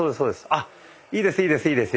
あいいですいいですいいです。